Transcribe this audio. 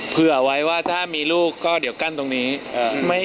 เผื่อไว้ว่าถ้ามีลูกก็เดี๋ยวกั้นตรงนี้